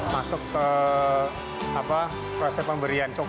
masuk ke proses pemberian coklat